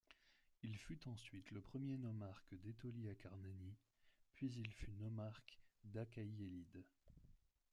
Il fut ensuite le premier nomarque d'Étolie-Acarnanie puis il fut nomarque d'Achaïe-Élide.